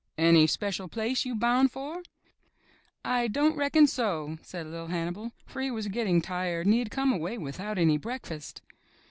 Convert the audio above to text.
''Any special place you boun' for?" ''I don't reckon so," said Li'l' Hannibal, for he was getting tired and he had come away without any break fast.